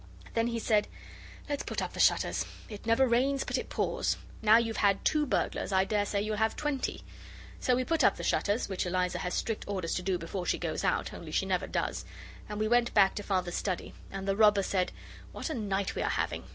Then he said, 'Let's put up the shutters. It never rains but it pours. Now you've had two burglars I daresay you'll have twenty.' So we put up the shutters, which Eliza has strict orders to do before she goes out, only she never does, and we went back to Father's study, and the robber said, 'What a night we are having!